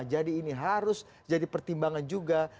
jadi ini harus jadi pertimbangan juga